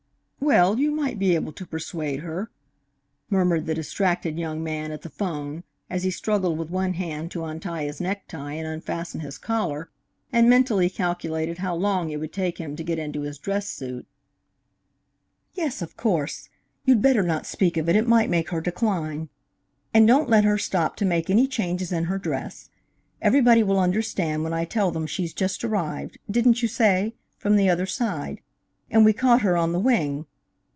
"Well, you might be able to persuade her," murmured the distracted young man at the 'phone, as he struggled with one hand to untie his necktie and unfasten his collar, and mentally calculated how long it would take him to get into his dress suit. "Yes, of course. You'd better not speak of it it might make her decline. And don't let her stop to make any changes in her dress. Everybody will understand when I tell them she's just arrived didn't you say? from the other side, and we caught her on the wing.